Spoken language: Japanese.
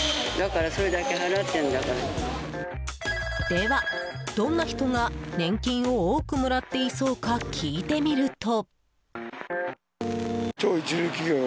では、どんな人が年金を多くもらっていそうか聞いてみると。